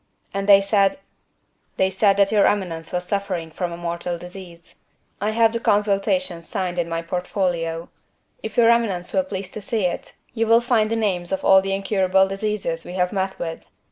"And they said—" "They said that your eminence was suffering from a mortal disease; I have the consultation signed in my portfolio. If your eminence will please to see it, you will find the names of all the incurable diseases we have met with.